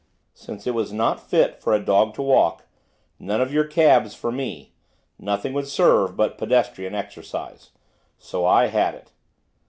Since it was not fit for a dog to walk, none of your cabs for me, nothing would serve but pedestrian exercise. So I had it.